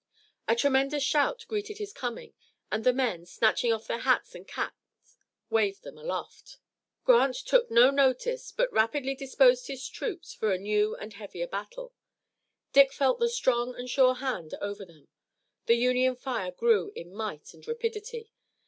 A tremendous shout greeted his coming and the men, snatching off their hats and caps, waved them aloft. Grant took no notice but rapidly disposed his troops for a new and heavier battle. Dick felt the strong and sure hand over them. The Union fire grew in might and rapidity.